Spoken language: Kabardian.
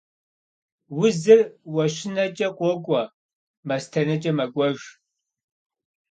Узыр уэщынэкӀэ къокӀуэ, мастэнэкӀэ мэкӀуэж.